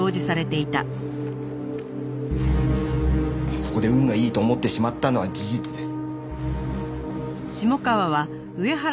そこで運がいいと思ってしまったのは事実です。